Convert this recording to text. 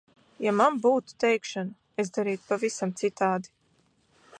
Ja man būtu teikšana, es darītu pavisam citādi.